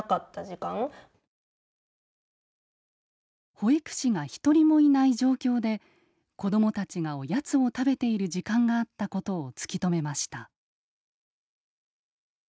保育士が一人もいない状況で子どもたちがおやつを食べている時間があったことを突き止めました。